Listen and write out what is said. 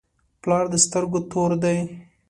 پلار د سترګو تور دی.